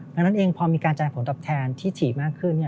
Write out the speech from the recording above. ดังนั้นเองพอมีการจ่ายผลตอบแทนที่ถี่มากขึ้น